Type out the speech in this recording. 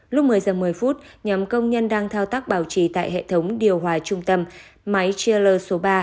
lúc một mươi giờ một mươi phút nhóm công nhân đang thao tác bảo trì tại hệ thống điều hòa trung tâm máy chiller số ba